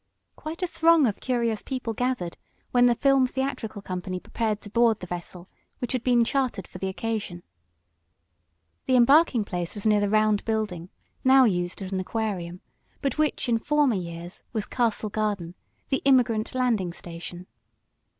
Quite a throng of curious people gathered when the film theatrical company prepared to board the vessel which had been chartered for the occasion. The embarking place was near the round building, now used as an Aquarium, but which, in former years, was Castle Garden, the immigrant landing station.